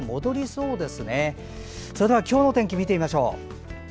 それでは今日の天気を見てみましょう。